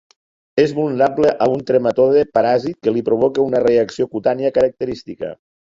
És vulnerable a un trematode paràsit que li provoca una reacció cutània característica.